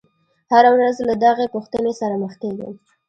هره ورځ له دغې پوښتنې سره مخ کېږم.